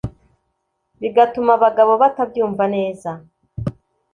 bigatuma abagabo batabyumva neza